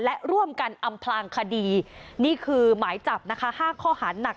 และร่วมกันอำพลางคดีนี่คือหมายจับนะคะ๕ข้อหาหนัก